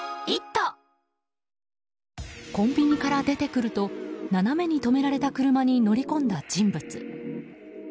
コンビニから出てくると斜めに止められた車に乗り込んだ人物。